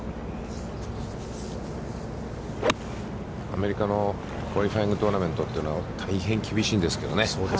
アメリカのクォリファイングトーナメントというのは、大変厳しいんですけどね。